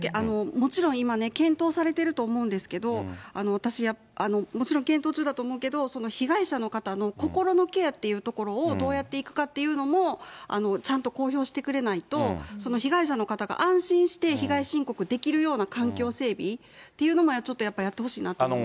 もちろん今ね、検討されてると思うんですけど、私、もちろん検討中だと思うけど、被害者の方の心のケアっていうところをどうやっていくかっていうのもちゃんと公表してくれないと、被害者の方が安心して被害申告できるような環境整備っていうのもやっぱりちょっとやってほしいなと思います。